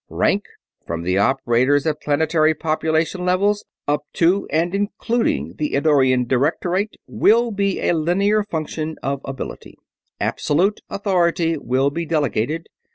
Rank, from the operators at planetary population levels up to and including the Eddorian Directorate, will be a linear function of ability. Absolute authority will be delegated.